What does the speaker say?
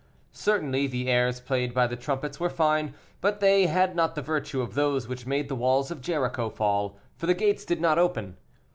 Certainly the airs played by the trumpets were fine, but they had not the virtue of those which made the walls of Jericho fall, for the gates did not open.